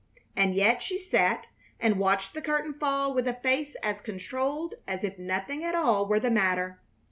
And yet she sat and watched the curtain fall with a face as controlled as if nothing at all were the matter.